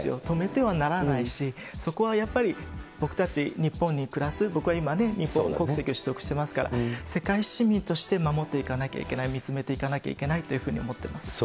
止めてはならないし、そこはやっぱり、僕たち日本に暮らす、僕は今、日本国籍を取得してますから、世界市民として守っていかなきゃいけない、見つめていかなきゃいけないと思ってます。